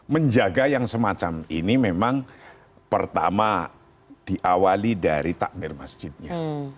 menjaga yang semacam ini memang pertama diawali dari takmir masjidnya